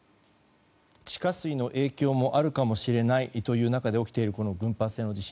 地下水の影響もあるかもしれないという中で起きている群発性の地震。